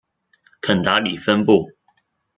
肯达里分布。